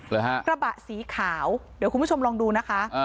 เหรอฮะกระบะสีขาวเดี๋ยวคุณผู้ชมลองดูนะคะ